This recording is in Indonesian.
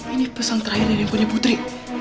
ini pesan terakhir dari ibunya putri